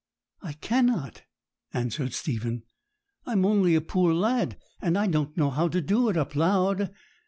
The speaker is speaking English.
'I cannot,' answered Stephen; 'I'm only a poor lad, and I don't know how to do it up loud.